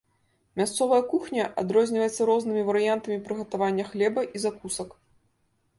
Мясцовая кухня адрозніваецца рознымі варыянтамі прыгатавання хлеба і закусак.